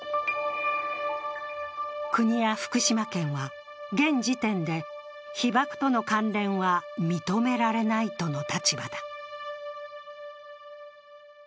国や福島県は、現時点で被ばくとの関連は認められないとの立場だ。